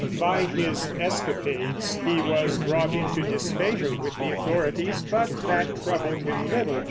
By his escapades he was brought into disfavor with the authorities, but that troubled him little.